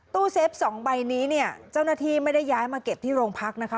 เซฟสองใบนี้เนี่ยเจ้าหน้าที่ไม่ได้ย้ายมาเก็บที่โรงพักนะคะ